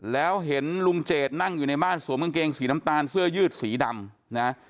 แล้วเห็นลุงเจดนั่งอยู่ในบ้านสวมกางเกงสีน้ำตาลเสื้อยืดสีดำนะ